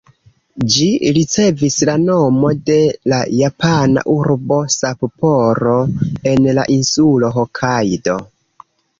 Ĝi ricevis la nomo de la japana urbo Sapporo, en la insulo Hokajdo.